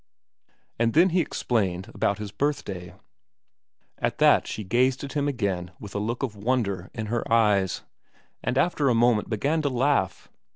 And then he explained about his birthday. At that she gazed at him again with a look of wonder in her eyes, and after a moment began to laugh.